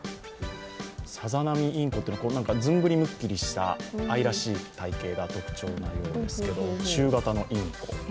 サザナミインコっていうのはずんぐりむっくりした愛らしい体型が特徴のようですけども、中型のインコ。